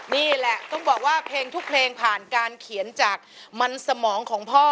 นี่แหละต้องบอกว่าเพลงทุกเพลงผ่านการเขียนจากมันสมองของพ่อ